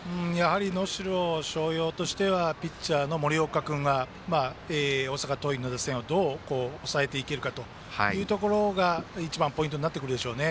能代松陽としてはピッチャーの森岡君が大阪桐蔭の打線をどう抑えていけるかというところが一番のポイントになってくるでしょうね。